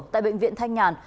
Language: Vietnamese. tại bệnh viện thanh nhàn